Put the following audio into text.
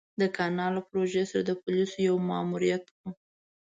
د کانال له پروژې سره د پوليسو يو ماموريت و.